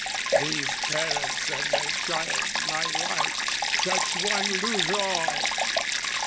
"These parents and their child my wife, touch one "Lose all!